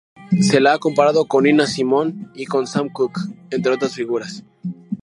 Se la ha comparado con Nina Simone y con Sam Cooke, entre otras figuras.